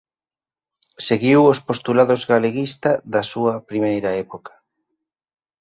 Seguiu os postulados galeguista da súa primeira época.